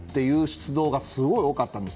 出動がすごい多かったんです。